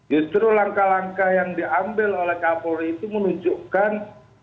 justru langkah langkah yang diambil oleh kapolri itu menunjukkan